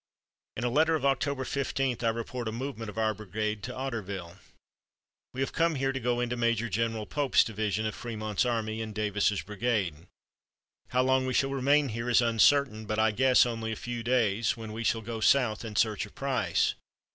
In a letter of October 15, I report a movement of our brigade to Otterville: "We have come here to go into Major General Pope's division of Frémont's army in Davis's brigade. How long we will remain here is uncertain, but I guess only a few days, when we shall go south in search of Price.